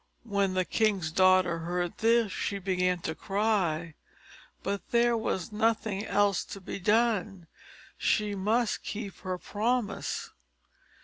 When the king's daughter heard this, she began to cry; but there was nothing else to be done she must keep her promise.